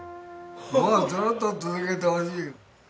もうずっと続けてほしい。